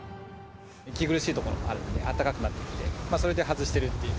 息苦しいところもあるので、あったかくなってきて、それで外してるっていう。